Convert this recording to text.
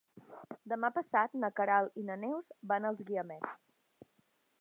Demà passat na Queralt i na Neus van als Guiamets.